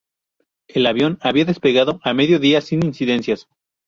El avión había despegado a mediodía, sin incidencias.